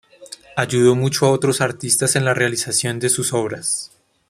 Ayudó mucho a otros artistas en la realización de sus obras.